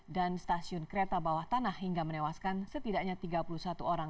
dan stasiun kereta bawah tanah hingga menewaskan setidaknya tiga puluh satu orang